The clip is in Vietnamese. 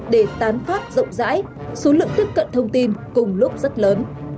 để tán phát rộng rãi số lượng tiếp cận thông tin cùng lúc rất lớn